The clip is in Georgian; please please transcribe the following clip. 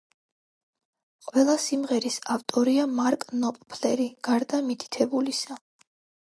ყველა სიმღერის ავტორია მარკ ნოპფლერი, გარდა მითითებულისა.